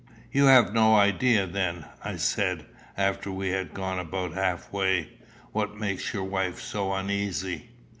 "You have no idea, then," I said, after we had gone about half way, "what makes your wife so uneasy?"